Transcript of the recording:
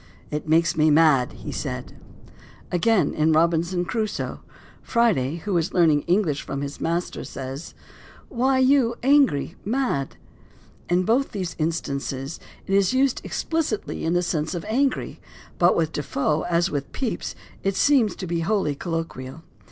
" It makes me mad," said he. Again, in Robinson Crusoe, "Friday," who is learning English from his master, says: "Why, you, angry mad" (Everyman's edition, p. 163). In both these instances it is used explicitly in the sense of angry, but with Defoe, as with Pepys, it seems to be wholly colloquial.